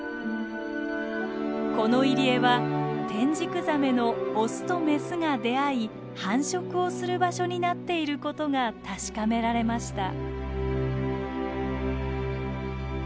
この入り江はテンジクザメのオスとメスが出会い繁殖をする場所になっていることが確かめられました。